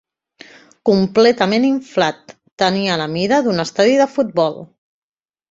Completament inflat, tenia la mida d'un estadi de futbol.